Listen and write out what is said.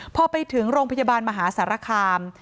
พอไปถึงโรงพยาบาลมหาสารคาม